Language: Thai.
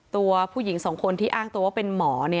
ตัวผู้หญิงสองคนที่อ้างตัวว่าเป็นหมอ